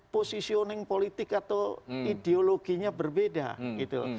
positioning politik atau ideologinya berbeda gitu